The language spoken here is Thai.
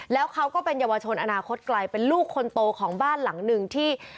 แล้วเขาก็เป็นเยาวชนอนาคตไกลเป็นลูกคนโตของบ้านหลังหนึ่งที่